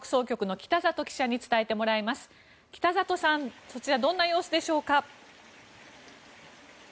北里さんそちら、どんな様子でしょうか。